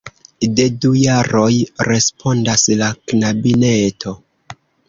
De du jaroj, respondas la knabineto.